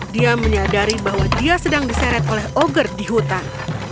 dia menyadari bahwa dia sedang diseret oleh oger di hutan